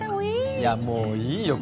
いやもういいよ